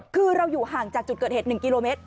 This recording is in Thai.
คือเราอยู่ห่างจากจุดเกิดเหตุ๑กิโลเมตร